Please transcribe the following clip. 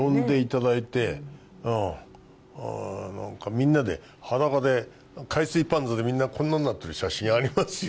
みんなで裸で海水パンツでみんなこんなんなってる写真ありますよ。